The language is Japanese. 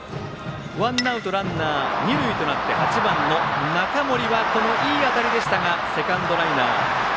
ワンアウトランナー、二塁となって８番の中森はいい当たりでしたがセカンドライナー。